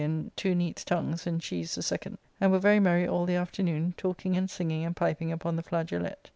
] and two neats' tongues, and cheese the second; and were very merry all the afternoon, talking and singing and piping upon the flageolette.